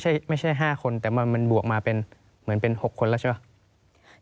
ซึ่งไม่ใช่๕คนแต่มันบวกมาเป็น๖คนแล้วใช่ไหม